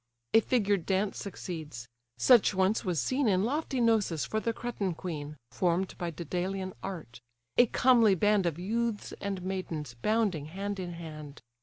A figured dance succeeds; such once was seen In lofty Gnossus for the Cretan queen, Form'd by Daedalean art; a comely band Of youths and maidens, bounding hand in hand.